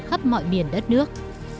khắp mọi miền đất nước